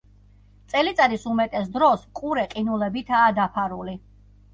წელიწადის უმეტეს დროს, ყურე ყინულებითაა დაფარული.